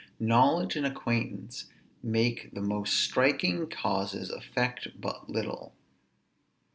Knowledge and acquaintance make the most striking causes affect but little.